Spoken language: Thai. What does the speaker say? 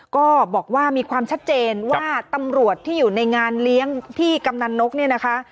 ก็บอกว่ามีความชัดเจนว่าตำรวจที่อยู่ในงานเลี้ยงที่กำนันนกเนี่ยนะคะ